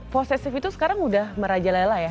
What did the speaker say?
posesif itu sekarang udah merajalela ya